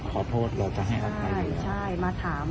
ขอโทษเราจะให้เขาไปเลย